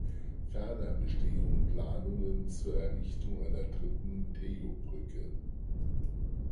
Ferner bestehen Planungen zur Errichtung einer dritten Tejo-Brücke.